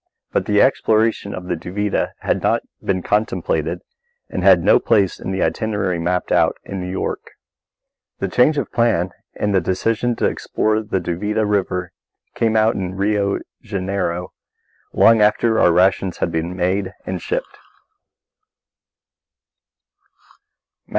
But the exploration of the Duvida had not been contemplated and had no place in the itinerary mapped out in New York. The change of plan and the decision to explore the Duvida River came about in Rio Janeiro, long after our rations had been made out and shipped.